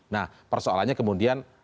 nah persoalannya kemudian